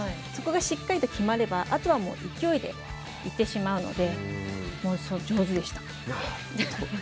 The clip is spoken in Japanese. そこがしっかりと決まればあとは勢いで行ってしまうので上手でした。